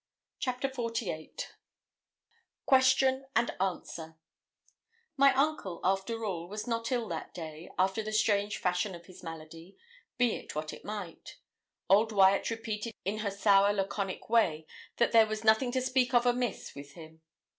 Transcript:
CHAPTER XLVIII QUESTION AND ANSWER My uncle, after all, was not ill that day, after the strange fashion of his malady, be it what it might. Old Wyat repeated in her sour laconic way that there was 'nothing to speak of amiss with him.'